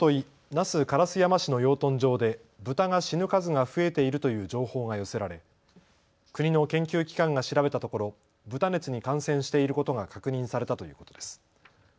那須烏山市の養豚場でブタが死ぬ数が増えているという情報が寄せられ、国の研究機関が調べたところ豚熱に感染していることが確認されたということです。